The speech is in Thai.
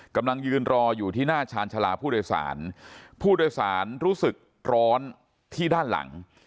กำลังยืนรออยู่ที่หน้าชาญชาลาผู้โดยสารผู้โดยสารรู้สึกร้อนที่ด้านหลัง